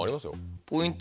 ポイント